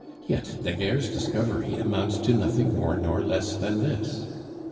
Yet Daguerre's discovery amounts to nothing more nor less than this.